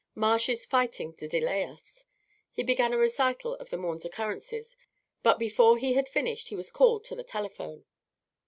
Marsh is fighting to delay us." He began a recital of the morning's occurrences, but before he had finished he was called to the telephone.